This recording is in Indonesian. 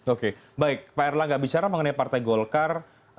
oke baik pak erlangga bicara mengenai partai golkar